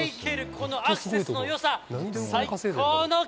このアクセスのよさ。